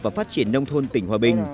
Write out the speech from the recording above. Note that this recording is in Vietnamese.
và phát triển nông thôn tỉnh hòa bình